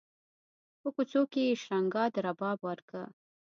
په کوڅو کې یې شرنګا د رباب ورکه